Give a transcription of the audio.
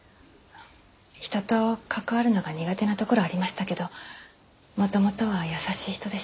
人と関わるのが苦手なところはありましたけど元々は優しい人でした。